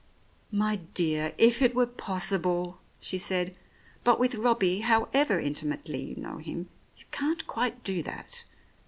"My dear, if it were possible! " she said. "But with Robbie, however intimately you know him, you can't quite do that.